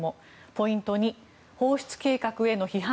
ポイント２、放出計画への批判